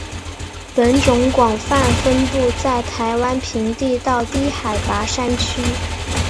本种广泛分布在台湾平地到低海拔山区。